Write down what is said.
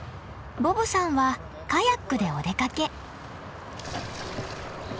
ボブさんはカヤックでお出かけ。